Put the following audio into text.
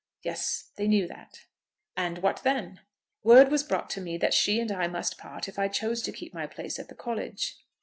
"Yes, they knew that." "And what then?" "Word was brought to me that she and I must part if I chose to keep my place at the College."